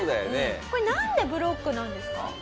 これなんでブロックなんですか？